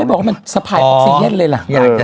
ไม่บอกว่ามันสะพายมากสิเย็นเลยล่ะ